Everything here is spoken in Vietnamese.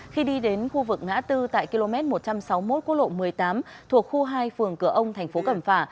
khi đi đến khu vực ngã tư tại km một trăm sáu mươi một quốc lộ một mươi tám thuộc khu hai phường cửa ông thành phố cẩm phả